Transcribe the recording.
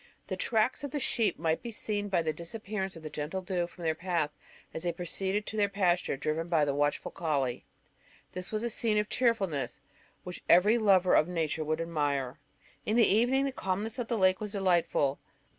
The tracts of the sheep might be seen by the disappearance of the "gentle dew" from their path as they proceeded to their pasture, driven by the watchful colley. It was a scene of cheerfulness, which every lover of nature would admire. In the evening the calmness of the lake was delightful.